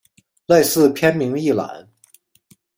类似片名一览